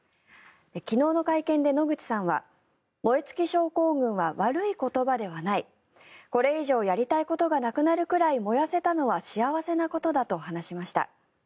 昨日の会見で野口さんは燃え尽き症候群は悪い言葉ではないこれ以上やりたいことがなくなるくらい燃やせたのは幸せなことだと話しました。